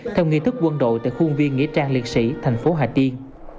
theo nghiên thức quân đội tại khuôn viên nghị trang liệt sĩ thành phố hà tiên